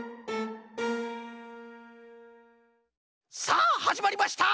さあはじまりました！